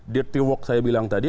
dirty work saya bilang tadi